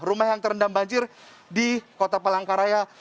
rumah yang terendam banjir di kota palangkaraya